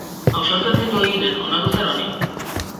Ausartu ez ni tu egiten? Honako zer honi?